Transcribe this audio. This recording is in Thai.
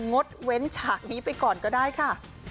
ดเว้นฉากนี้ไปก่อนก็ได้ค่ะ